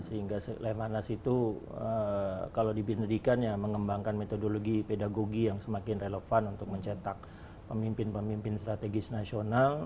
sehingga lemhanas itu kalau dibinedikan ya mengembangkan metodologi pedagogi yang semakin relevan untuk mencetak pemimpin pemimpin strategis nasional